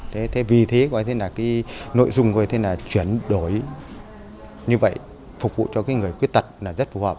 thế vì thế cái nội dung chuyển đổi như vậy phục vụ cho người khuyết tật là rất phù hợp